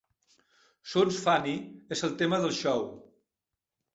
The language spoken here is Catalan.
"Sounds Funny" és el tema del show.